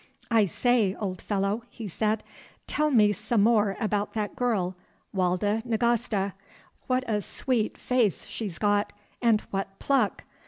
"I say, old fellow," he said, "tell me some more about that girl, Walda Nagasta. What a sweet face she's got, and what pluck!